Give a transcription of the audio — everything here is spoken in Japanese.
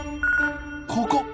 ここ！